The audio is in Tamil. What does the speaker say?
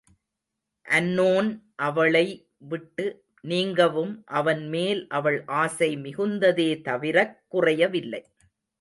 அன்னோன் அவளைவிட்டு நீங்கவும் அவன் மேல் அவள் ஆசை மிகுந்ததே தவிரக் குறையவில்லை.